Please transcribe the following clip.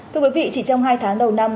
thưa quý vị chỉ trong hai tháng đầu năm